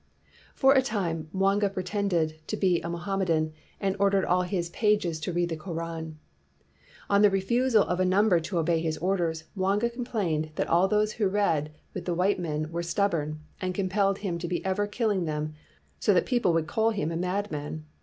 " For a time Mwanga pretended to be a Mohammedan, and ordered all his pages to read the Koran. On the refusal of a num ber to obey his orders, Mwanga complained that all those who read with the white men were stubborn and compelled him to be ever killing them, so that people would call him a madman!